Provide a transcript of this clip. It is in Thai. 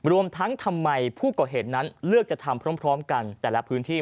รวมทั้งทำไมผู้ก่อเหตุนั้นเลือกจะทำพร้อมกันแต่ละพื้นที่